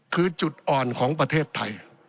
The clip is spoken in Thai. คือจุดอ่อนของประเทศไทย